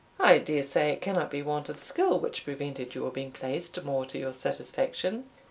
I dare say it cannot be want of skill which prevented your being placed more to your satisfaction."